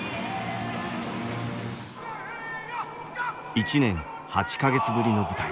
１年８か月ぶりの舞台。